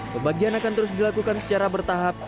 pembagian akan terus dilakukan secara bertahap